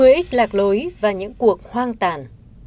một mươi ích lạc lối và những cuộc hoang tàn